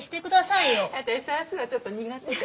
私算数はちょっと苦手で。